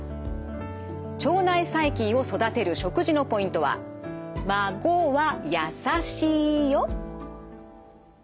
腸内細菌を育てる食事のポイントは「まごわやさしいよ」。